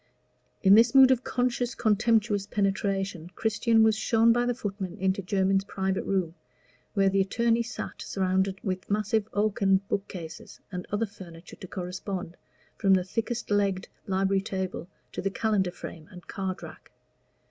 In this mood of conscious, contemptuous penetration, Christian was shown by the footman into Jermyn's private room, where the attorney sat surrounded with massive oaken bookcases, and other furniture to correspond, from the thickest legged library table to the calendar frame and card rack.